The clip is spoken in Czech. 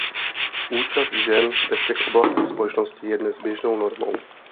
Účast žen ve všech oblastech společnosti je dnes běžnou normou.